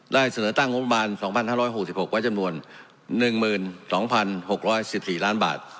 เสนอตั้งงบประมาณ๒๕๖๖ไว้จำนวน๑๒๖๑๔ล้านบาท